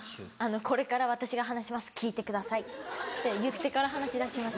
「これから私が話します聞いてください」って言ってから話しだします